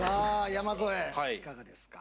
山添いかがですか？